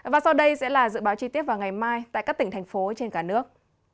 và sau đây sẽ là dự báo chi tiết vào ngày mai tại các tỉnh thành phố trên cả nước